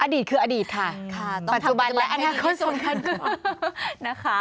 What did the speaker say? อดีตคืออดีตค่ะปัจจุบันและอนาคตส่วนคันค่ะ